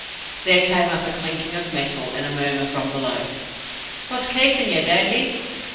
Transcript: There came up a clinking of metal, and a murmur from below. "What's keepin' yer, Dandy?"